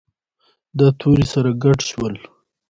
دا توري سره ګډ شول.